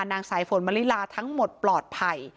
สายฝนมะลิลาทั้งหมดปลอดภัย